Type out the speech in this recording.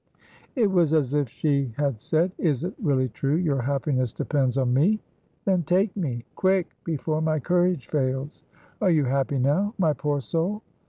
It was as if she had said: "Is it really true your happiness depends on me? then take me quick before my courage fails are you happy now, my poor soul?"